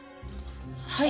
はい。